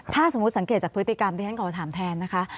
ถ้าสมมุติสังเกตจากพฤติกรรมที่ฉันขอถามแทนนะคะ